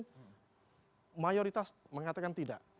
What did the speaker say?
atau mayoritas mengatakan tidak